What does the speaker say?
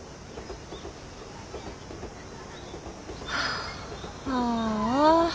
はあああ。